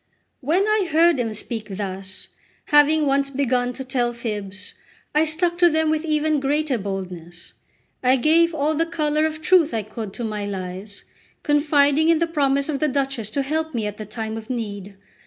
When I heard him speak thus, having once begun to tell fibs, I stuck to them with even greater boldness; I gave all the colour of truth I could to my lies, confiding in the promise of the Duchess to help me at the time of need.